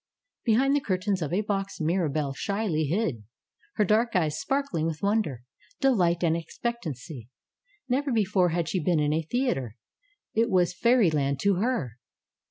Behind the curtains of a box Mirabelle shyly hid ; her dark eyes sparkling with wonder, delight and expect ancy. Never before had she been in a theater; it was fairyland to her.